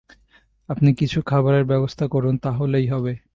আপনি কিছু খাবারের ব্যবস্থা করুন, তাহলেই হবে।